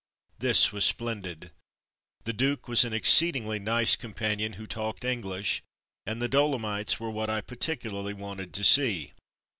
This was splendid. The Duke was an exceedingly nice companion who talked English, and the Dolomites were what I particularly wanted to see.